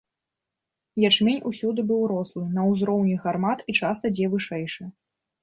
Ячмень усюды быў рослы, на ўзроўні гармат і часта дзе вышэйшы.